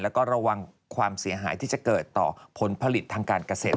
แล้วก็ระวังความเสียหายที่จะเกิดต่อผลผลิตทางการเกษตร